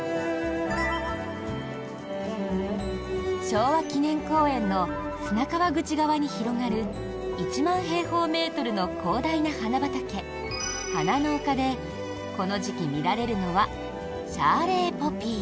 昭和記念公園の砂川口側に広がる１万平方メートルの広大な花畑、花の丘でこの時期見られるのはシャーレーポピー。